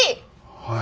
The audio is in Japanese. はい。